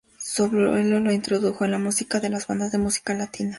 Su abuelo, lo introdujo en la música de las bandas de música latina.